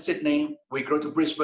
kita mengembangkan ke brisbane